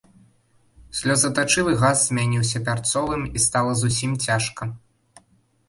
Слёзатачывы газ змяніўся пярцовым, і стала зусім цяжка.